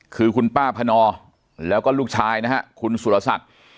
คือคุณป้าพนอแล้วก็ลูกชายนะฮะคุณสุรศักดิ์